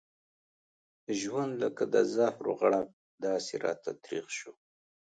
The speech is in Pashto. ژوند لکه د زهرو غړپ داسې راته تريخ شو.